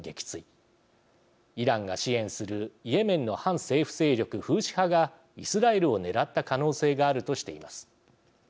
イランが支援するイエメンの反政府勢力フーシ派がイスラエルを狙った可能性があるとしています。